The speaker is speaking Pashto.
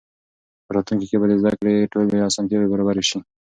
په راتلونکي کې به د زده کړې ټولې اسانتیاوې برابرې سي.